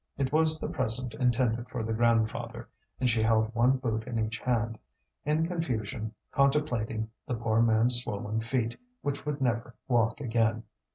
It was the present intended for the grandfather, and she held one boot in each hand, in confusion, contemplating the poor man's swollen feet, which would never walk again.